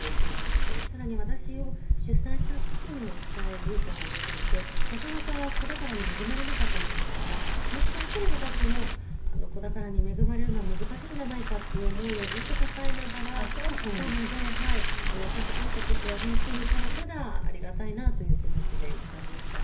更に私を出産したあとにも１回流産をしていてなかなか子宝に恵まれなかったものですからもしかしたら私も子宝に恵まれるのは難しいんじゃないかっていう思いをずっと抱えながらいたので授かった時は本当にただただありがたいなという気持ちでいっぱいでした。